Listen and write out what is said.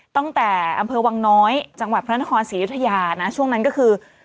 ตั้งแต่อำเภอวังน้อยจังหวัดพระนครศรียุธยานะช่วงนั้นก็คือ